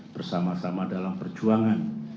bersama sama dalam perjuangan